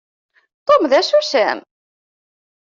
Tom d asusam.